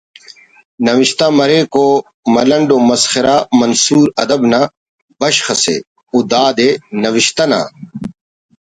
نوشتہ مریک و ملنڈ و مسخرہ منثور ادب نا بشخ اسے و دادے نوشت نا